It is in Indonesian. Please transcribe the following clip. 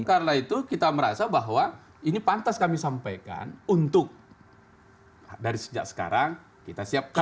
karena itu kita merasa bahwa ini pantas kami sampaikan untuk dari sejak sekarang kita siapkan